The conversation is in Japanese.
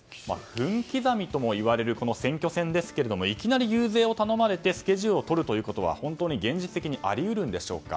分刻みともいわれる選挙戦ですけどもいきなり遊説を頼まれてスケジュールをとることは現実的にあり得るんでしょうか。